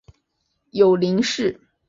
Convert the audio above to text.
有脂鳍。